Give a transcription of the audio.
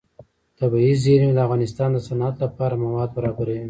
طبیعي زیرمې د افغانستان د صنعت لپاره مواد برابروي.